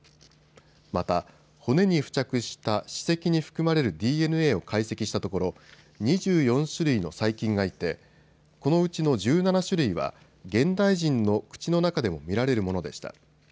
また骨に付着した歯石に含まれるＤＮＡを解析したところ２４種類の細菌がいてこのうちの１７種類は現代人の口の中でも見られるものでした。